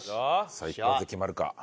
さあ一発で決まるか？